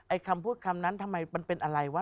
คำพูดคำนั้นทำไมมันเป็นอะไรวะ